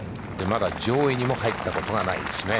まだ上位にも入ったことがないですね。